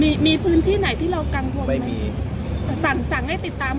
มีมีพื้นที่ไหนที่เรากังวลไหมสั่งสั่งให้ติดตาม